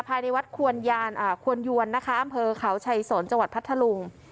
ภายในวัดขวนยวรนะคะอำเภอขาวชัยสนจพัทธลุง